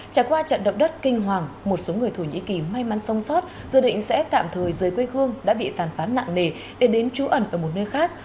trả qua trận động đất kinh hoàng một số người thổ nhĩ kỳ may mắn sống sót dự định sẽ tạm thời dưới quê khương đã bị tàn phán nặng nề để đến trú ẩn ở một nơi khác